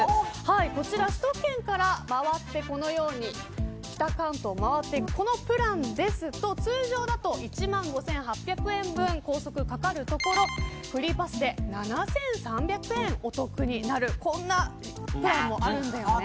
こちら首都圏から回ってこのように北関東を回っていくプランですと通常だと１万５８００円分高速かかるところフリーパスで７３００円お得になるこんなプランもあるんだよね。